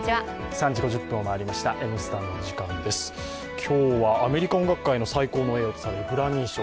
今日はアメリカ音楽会の再興の栄誉とされるグラミー賞。